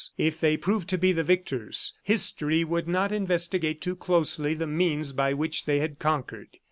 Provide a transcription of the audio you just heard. If they proved to be the victors, History would not investigate too closely the means by which they had conquered.